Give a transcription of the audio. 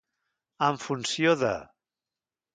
En funció de.